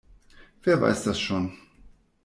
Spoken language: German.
Wer weiß das schon.